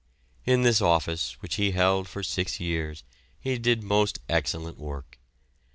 In this office, which he held for six years, he did most excellent work.